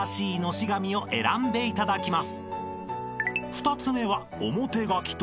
［２つ目は］